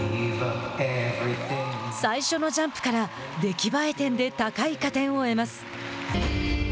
最初のジャンプから出来栄え点で高い加点を得ます。